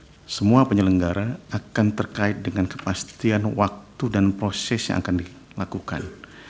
untuk semua penyelenggara akan terkait dengan kepastian waktu dan proses yang akan dilakukan